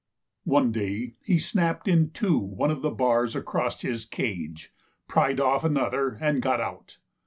One day he snapped in two one of the bars across his cage, pried off another and got out.